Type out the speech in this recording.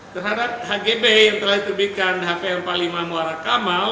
terhadap hgb yang telah diterbitkan hp empat puluh lima muara kamal